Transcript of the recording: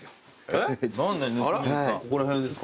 ここら辺ですか？